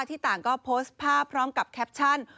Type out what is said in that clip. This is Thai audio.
ที่ต่างก็โพสต์ภาพพร้อมกับแคปชั่น